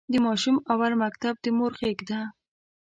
د ماشوم اول مکتب د مور غېږ ده.